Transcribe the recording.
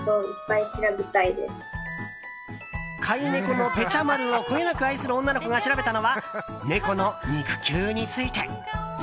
飼い猫のぺちゃ丸をこよなく愛する女の子が調べたのは、猫の肉球について。